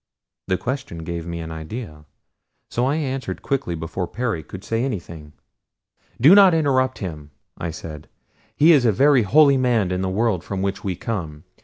The question gave me an idea, so I answered quickly before Perry could say anything. "Do not interrupt him," I said. "He is a very holy man in the world from which we come.